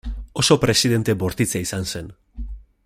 Oso presidente bortitza izan zen.